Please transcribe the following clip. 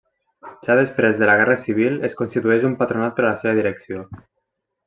Ja després de la Guerra Civil es constitueix un patronat per a la seva direcció.